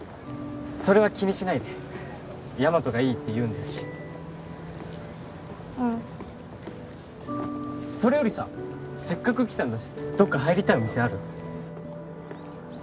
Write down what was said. それは気にしないでヤマトがいいって言うんだしうんそれよりさせっかく来たんだしどっか入りたいお店ある？